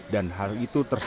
dan hal yang tidak diperlukan